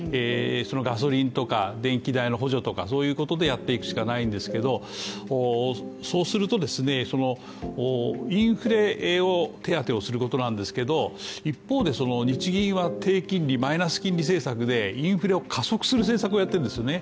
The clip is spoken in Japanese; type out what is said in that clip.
ガソリンとか電気代の補助とかそういうことでやっていくしかないんですが、そうするとインフレ手当をすることなんですけど、一方で日銀は低金利、マイナス金利政策でインフレを加速する政策をやっているんですよね